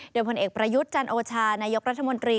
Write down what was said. เดิมพลตำรวจเอกจันโอชานายกรัฐมนตรี